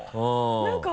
何か。